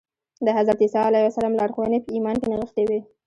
د حضرت عیسی علیه السلام لارښوونې په ایمان کې نغښتې وې